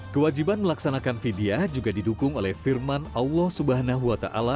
kewajiban melaksanakan vidya juga didukung oleh firman allah swt